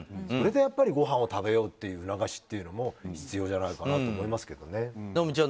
それでご飯を食べようという促しというのも必要じゃないかなと思いますけどね。